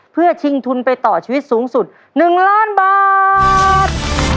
เพื่อชิงทุนไปต่อชีวิตสูงสุด๑ล้านบาท